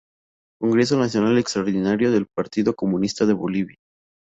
Congreso Nacional Extraordinario del Partido Comunista de Bolivia.